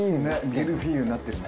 ミルフィーユになってるね。